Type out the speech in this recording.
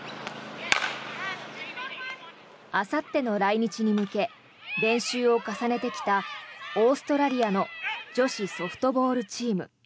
あさっての来日に向け練習を重ねてきたオーストラリアの女子ソフトボールチーム。